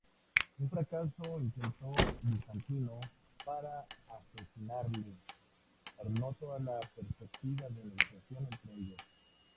Un fracasado intento bizantino para asesinarle arruinó toda perspectiva de negociación entre ellos.